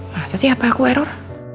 masa sih apa aku error